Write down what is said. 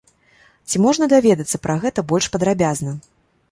Ці можна даведацца пра гэта больш падрабязна?